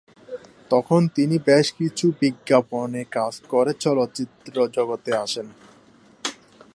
তখন তিনি বেশ কিছু বিজ্ঞাপনে কাজ করে চলচ্চিত্র জগতে আসেন।